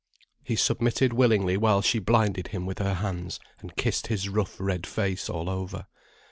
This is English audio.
He submitted willingly while she blinded him with her hands, and kissed his rough red face all over.